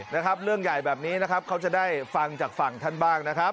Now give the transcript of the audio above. นะครับเรื่องใหญ่แบบนี้นะครับเขาจะได้ฟังจากฝั่งท่านบ้างนะครับ